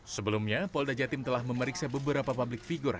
sebelumnya polda jatim telah memeriksa beberapa publik figure